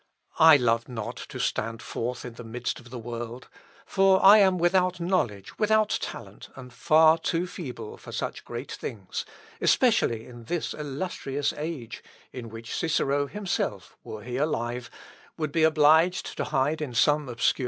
I love not to stand forth in the midst of the world; for I am without knowledge, without talent, and far too feeble for such great things, especially in this illustrious age, in which Cicero himself, were he alive, would be obliged to hide in some obscure corner.